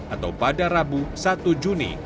atau pada rabu satu juni